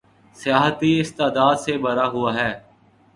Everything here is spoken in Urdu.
سیاحتی استعداد سے بھرا ہوا ہے